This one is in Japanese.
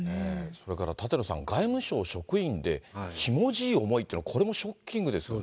それから舘野さん、外務省職員で、ひもじい思いって、これもショッキングですよね。